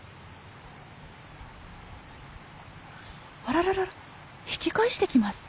あららら引き返してきます。